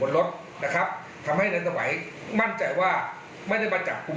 รถนะครับทำให้ในสมัยมั่นใจว่าไม่ได้มาจับกลุ่ม